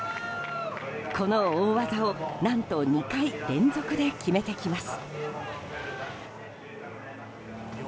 この大技を何と２回連続で決めてきます。